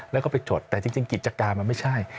แล้วก็ไปจดแต่จริงกิจการมันไม่ใช่